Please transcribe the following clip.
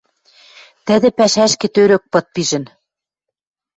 Тӹдӹ пӓшӓшкӹ тӧрӧк пыт пижӹн.